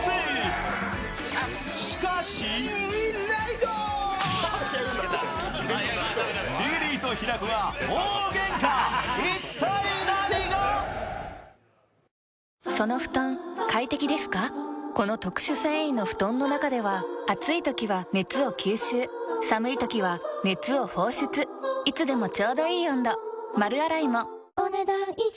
ロケ来てな、今日も頑張っていかこの特殊繊維の布団の中では暑い時は熱を吸収寒い時は熱を放出いつでもちょうどいい温度丸洗いもお、ねだん以上。